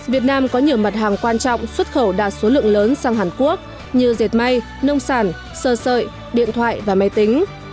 việt nam có nhiều mặt hàng quan trọng xuất khẩu đạt số lượng lớn sang hàn quốc như dệt may nông sản sơ sợi điện thoại và máy tính